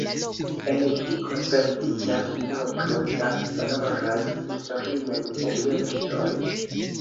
En ĝi konserviĝas nombro da valoraj historiaj objektoj.